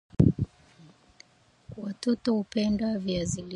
Watoto hupenda viazi lishe